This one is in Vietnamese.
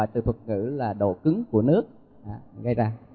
thuật tử là độ cứng của nước gây ra